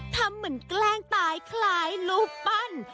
ทำเหมือนแกล้งตายคล้ายรูปปั้น